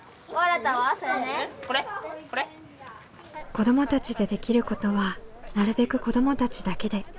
子どもたちでできることはなるべく子どもたちだけで。